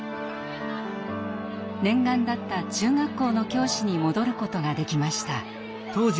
念願だった中学校の教師に戻ることができました。